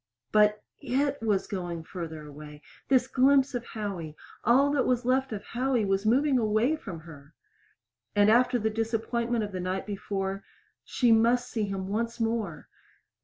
But it was going farther away this glimpse of Howie all that was left of Howie was moving away from her! And after the disappointment of the night before She must see him once more!